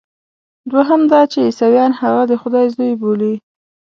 دوهم دا چې عیسویان هغه د خدای زوی بولي.